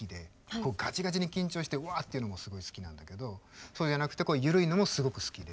こうがちがちに緊張してうわっていうのもすごい好きなんだけどそうじゃなくて緩いのもすごく好きで。